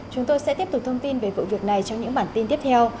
chúng tôi sẽ tiếp tục thông tin về vụ việc này trong những bản tin tiếp theo